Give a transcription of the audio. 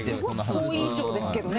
すごい好印象ですけどね